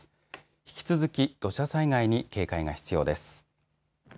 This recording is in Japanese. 引き続き土砂災害に警戒が必要です。